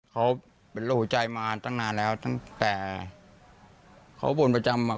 เขาเป็นโรคหัวใจมาตั้งนานแล้วตั้งแต่เขาบ่นประจำอ่ะ